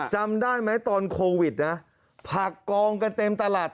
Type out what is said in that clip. จำได้ไหมตอนโควิดนะผักกองกันเต็มตลาด